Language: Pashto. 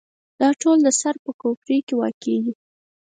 دا ټول د سر په کوپړۍ کې واقع دي.